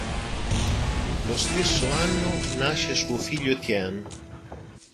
Lo stesso anno nasce suo figlio Étienne.